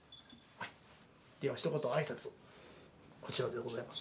ではひと言あいさつを、こちらでございます。